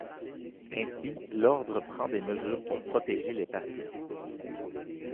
Ainsi, l’Ordre prend des mesures pour protéger les patients.